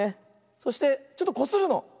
そしてちょっとこするの。